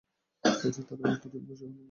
এতে তারা অত্যধিক খুশী হল।